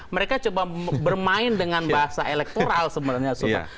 mereka coba bermain dengan bahasa elektoral sebenarnya